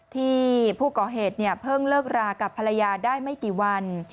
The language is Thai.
ที่ผู้ก่อเหตุเพิ่งเลิกรากับภรรยาได้ไม่กี่วัน